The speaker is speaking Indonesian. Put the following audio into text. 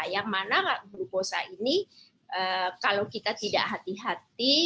yang mana glukosa ini kalau kita tidak hati hati